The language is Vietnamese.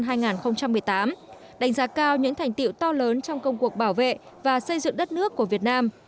đánh giá cao những thành tiệu to lớn trong công cuộc bảo vệ và xây dựng đất nước của việt nam